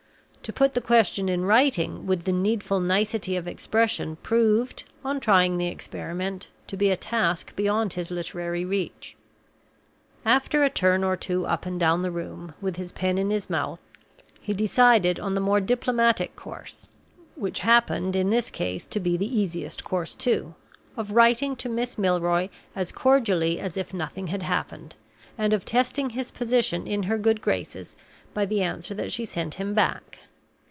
To put the question in writing with the needful nicety of expression proved, on trying the experiment, to be a task beyond his literary reach. After a turn or two up and down the room, with his pen in his mouth, he decided on the more diplomatic course (which happened, in this case, to be the easiest course, too), of writing to Miss Milroy as cordially as if nothing had happened, and of testing his position in her good graces by the answer that she sent him back.